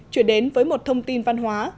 chuyển đến với một thông tin văn hóa